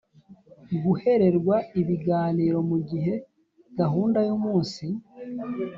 guhererwa ibiganiro mugihe gahunda yumunsi